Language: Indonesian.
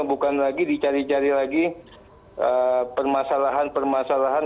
bukan lagi dicari cari lagi permasalahan permasalahan